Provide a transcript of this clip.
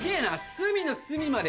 隅の隅まで。